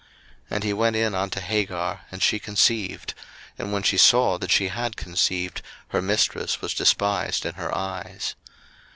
01:016:004 And he went in unto Hagar, and she conceived: and when she saw that she had conceived, her mistress was despised in her eyes.